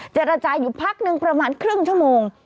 เจรจาอยู่พักนึงประมาณครึ่งชั่วโมง